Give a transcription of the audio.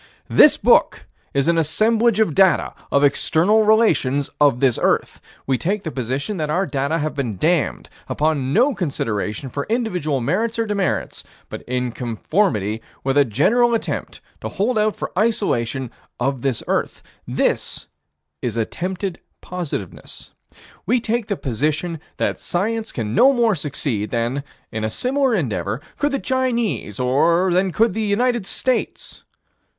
This book is an assemblage of data of external relations of this earth. We take the position that our data have been damned, upon no consideration for individual merits or demerits, but in conformity with a general attempt to hold out for isolation of this earth. This is attempted positiveness. We take the position that science can no more succeed than, in a similar endeavor, could the Chinese, or than could the United States.